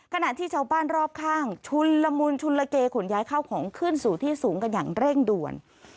ขณะที่ชาวบ้านรอบข้างชุนละมุนชุนละเกขนย้ายเข้าของขึ้นสู่ที่สูงกันอย่างเร่งด่วน